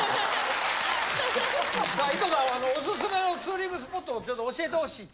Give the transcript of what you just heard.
さあ井戸田オススメのツーリングスポットをちょっと教えてほしいと。